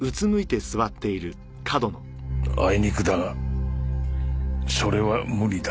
あいにくだがそれは無理だ。